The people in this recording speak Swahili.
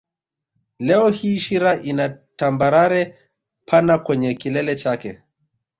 Leo hii Shira ina tambarare pana kwenye kilele chake